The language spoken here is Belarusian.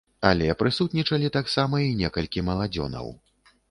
Але прысутнічалі таксама і некалькі маладзёнаў.